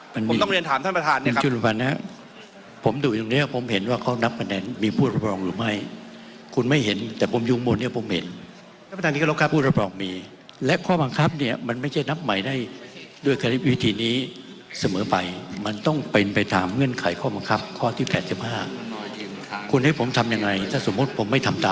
ผมต้องเรียนถามท่านประธานอย่างคุณจุลพันธ์นะครับผมดูตรงเนี้ยผมเห็นว่าเขานับคะแนนมีผู้รับรองหรือไม่คุณไม่เห็นแต่ผมอยู่ข้างบนนี้ผมเห็นท่านประธานที่กรบครับผู้รับรองมีและข้อบังคับเนี่ยมันไม่ใช่นับใหม่ได้ด้วยวิธีนี้เสมอไปมันต้องเป็นไปตามเงื่อนไขข้อบังคับข้อที่๘๕คุณให้ผมทำยังไงถ้าสมมุติผมไม่ทำต